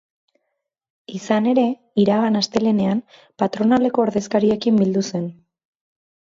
Izan ere, iragan astelehenean patronaleko ordezkariekin bildu zen.